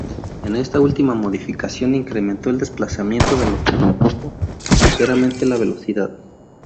Esta última modificación incrementó el desplazamiento, lo que redujo ligeramente la velocidad.